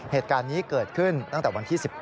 เหตุการณ์นี้เกิดขึ้นตั้งแต่วันที่๑๙